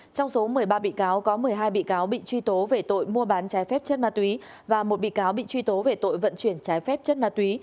trong số một mươi ba bị cáo có một mươi hai bị cáo bị truy tố về tội mua bán trái phép chất ma túy và một bị cáo bị truy tố về tội vận chuyển trái phép chất ma túy